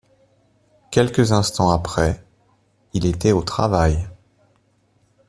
Quelques instants après, il était au travail.